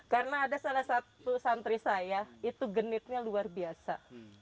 karena ada salah satu santri saya itu genitnya luar biasa